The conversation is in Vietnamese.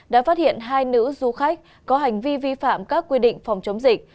đã phát hiện hai nữ du khách có hành vi vi phạm các quy định phòng chống dịch